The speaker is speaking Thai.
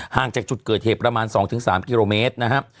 ห่างจากจุดเกิดเหตุประมาณ๒๓กิโลเมตรนะครับ